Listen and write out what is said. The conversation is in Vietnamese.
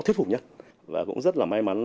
thuyết phục nhất và cũng rất là may mắn